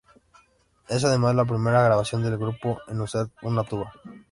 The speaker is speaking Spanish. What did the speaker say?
Es, además, la primera grabación del grupo en usar una tuba.